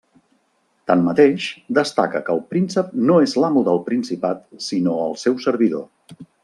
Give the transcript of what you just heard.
Tanmateix, destaca que el príncep no és l'amo del principat, sinó el seu servidor.